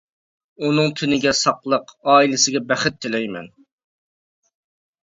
ئۇنىڭ تېنىگە ساقلىق، ئائىلىسىگە بەخت تىلەيمەن.